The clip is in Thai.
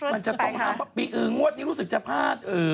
มันจะต้องห้ามปีอื่นงวดนี้รู้สึกจะพลาด